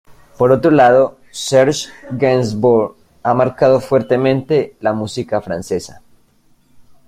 Por otro lado, Serge Gainsbourg ha marcado fuertemente la música francesa.